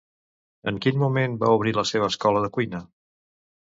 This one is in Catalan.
En quin moment va obrir la seva escola de cuina?